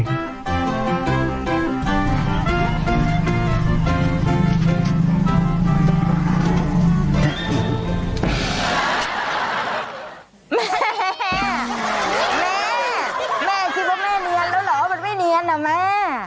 แม่แม่คิดว่าแม่เนียนแล้วเหรอมันไม่เนียนนะแม่